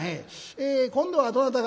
え今度はどなたが？」。